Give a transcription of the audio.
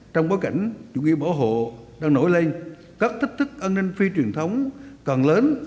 trong bối cảnh chủ nghĩa bảo hộ đang nổi lên các thách thức an ninh phi truyền thống còn lớn